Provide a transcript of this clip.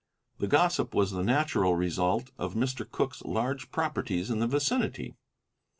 The gossip was the natural result of Mr. Cooke's large properties in the vicinity.